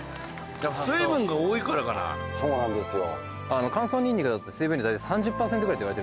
そうなんですよ。